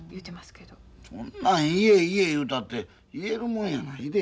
そんなん「言え言え」言うたって言えるもんやないで。